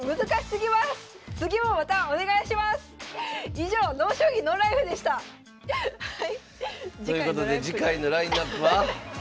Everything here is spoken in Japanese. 以上「ＮＯ将棋ＮＯＬＩＦＥ」でした！ということで次回のラインナップは？